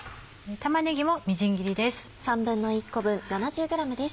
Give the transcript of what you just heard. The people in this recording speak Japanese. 玉ねぎもみじん切りです。